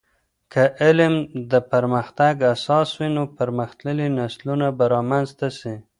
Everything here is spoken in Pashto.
که علم د پرمختګ اساس وي، نو پرمختللي نسلونه به رامنځته سي.